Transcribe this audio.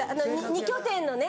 ２拠点のね